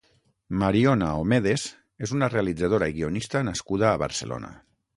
Mariona Omedes és una realtizadora i guionista nascuda a Barcelona.